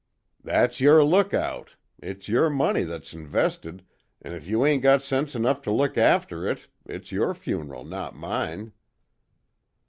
"That's your lookout. It's your money that's invested, an' if you ain't got sense enough to look after it, it's your funeral not mine."